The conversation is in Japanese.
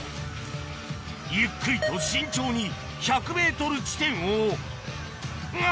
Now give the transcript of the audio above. ゆっくりと慎重に１００ｍを地点をが！